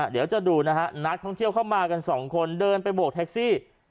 เดี๋ยวจะดูนะฮะนักท่องเที่ยวเข้ามากันสองคนเดินไปโบกแท็กซี่